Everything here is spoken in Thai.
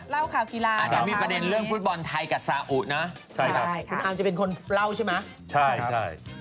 เดี๋ยวพี่อั๊วบรรยาเอ่ยเล่าข่าวกีไป